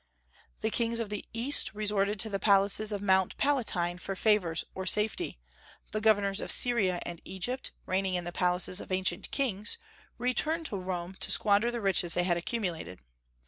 The kings of the East resorted to the palaces of Mount Palatine for favors or safety; the governors of Syria and Egypt, reigning in the palaces of ancient kings, returned to Rome to squander the riches they had accumulated.